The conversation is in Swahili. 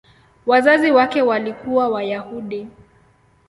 Wazazi wake walikuwa Wayahudi.